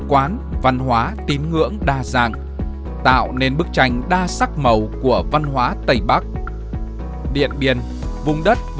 quán văn hóa tín ngưỡng đa dạng tạo nên bức tranh đa sắc màu của văn hóa tây bắc điện biên vùng đất